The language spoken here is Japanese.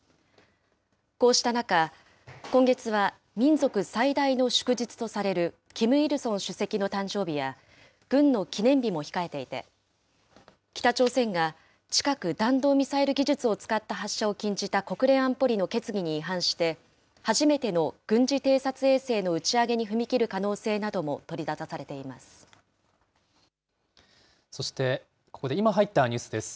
こうした中、今月は民族最大の祝日とされるキム・イルソン主席の誕生日や、軍の記念日も控えていて、北朝鮮が近く、弾道ミサイル技術を使った発射を禁じた国連安保理の決議に違反して、初めての軍事偵察衛星の打ち上げに踏み切る可能性なども取り沙汰そして、ここで今、入ったニュースです。